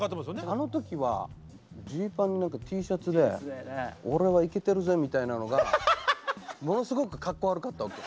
あの時はジーパンにティーシャツで俺はイケてるぜみたいなのがものすごくかっこ悪かったわけ。